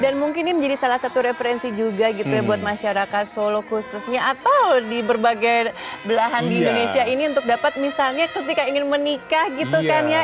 dan mungkin ini menjadi salah satu referensi juga gitu ya buat masyarakat solo khususnya atau di berbagai belahan di indonesia ini untuk dapat misalnya ketika ingin menikah gitu kan ya